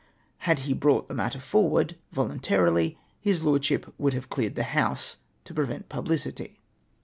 Had he brought that matter forward voluntarily, his Lordship would have cleared the House, to prevent publicity."